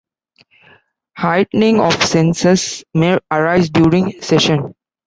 Heightening of senses may arise during sesshin.